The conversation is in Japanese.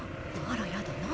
あらやだ何？